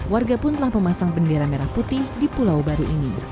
warga pun telah memasang bendera merah putih di pulau baru ini